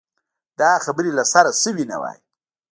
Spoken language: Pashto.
دا خبرې له سره شوې نه وای.